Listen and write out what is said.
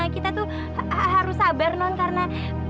kita tuh harus sabar non karena